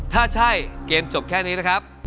ถ้าใช่เกมจบแค่นี้นะครับ